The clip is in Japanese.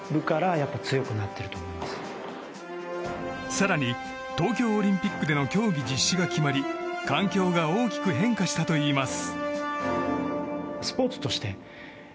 更に、東京オリンピックでの競技実施が決まり環境が大きく変化したといいます。